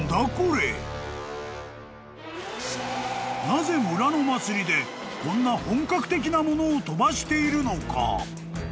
［なぜ村の祭りでこんな本格的なものを飛ばしているのか？］